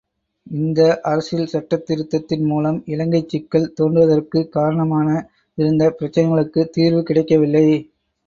இந்த அரசியல் சட்டத் திருத்தத்தின் மூலம் இலங்கைச் சிக்கல் தோன்றுவதற்குக் காரணமாக இருந்த பிரச்னைகளுக்கு தீர்வு கிடைக்கவில்லை.